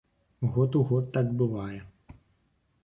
Год у год так бывае.